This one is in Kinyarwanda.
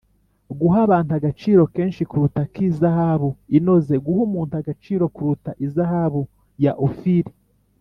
“guha abantu agaciro kenshi karuta ak’izahabu inoze, guha umuntu agaciro karuta izahabu ya ofiri”